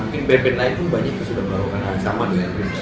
mungkin band band lain pun banyak yang sudah melakukan hal yang sama dengan rip